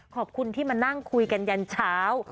ขอบคุณที่มานั่งคุยกันยันเช้า